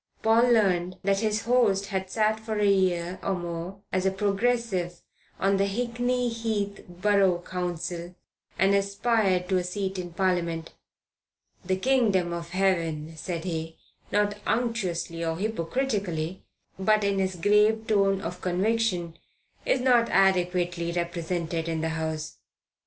Paul learned that his host had sat for a year or more as a Progressive on the Hickney Heath Borough Council and aspired to a seat in Parliament. "The Kingdom of Heaven," said he, not unctuously or hypocritically, but in his grave tone of conviction, "is not adequately represented in the House."